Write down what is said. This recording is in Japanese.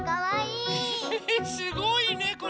えすごいねこれ。